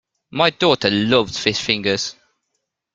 My daughter loves fish fingers